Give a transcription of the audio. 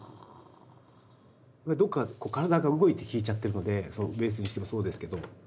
どこかこう体が動いて聴いちゃってるのでベースにしてもそうですけど。